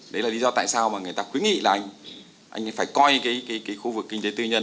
đấy là lý do tại sao mà người ta khuyến nghị là anh phải coi cái khu vực kinh tế tư nhân